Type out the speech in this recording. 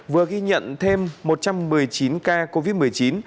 vừa ghi nhận thêm một trăm một mươi chín ca covid một mươi chín